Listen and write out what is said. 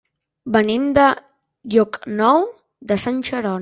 Venim de Llocnou de Sant Jeroni.